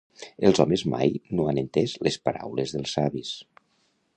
Els homes mai no han entès les paraules dels savis.